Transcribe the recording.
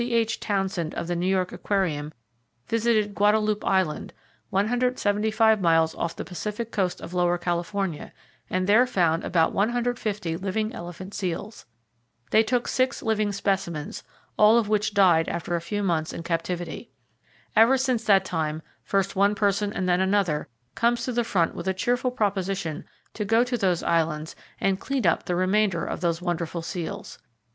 H. Townsend of the New York Aquarium, visited Guadalupe Island, 175 miles off the Pacific coast of Lower California and there found about 150 living elephant seals. They took six living specimens, all of which died after a few months in captivity. Ever since that time, first one person and then another comes to the front with a cheerful proposition to go to those islands and "clean up" all the remainder of those wonderful seals.